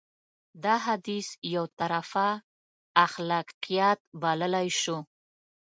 دا حديث يو طرفه اخلاقيات بللی شو.